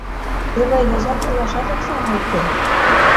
Теве йозак тӱлашат оксана уке.